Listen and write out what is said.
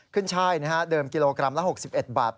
ช่ายเดิมกิโลกรัมละ๖๑บาท